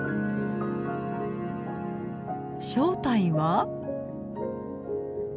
正体は？